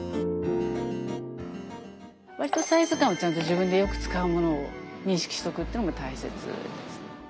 サイズ感を自分でよく使うものを認識しておくっていうのも大切です。